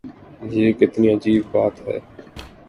یہ کتنی عجیب بات ہے۔